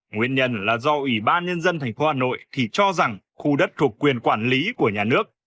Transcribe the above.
nguyên nhân là do ủy ban nhân dân tp hà nội thì cho rằng khu đất thuộc quyền quản lý của nhà nước